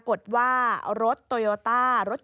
คุณพุทธครับ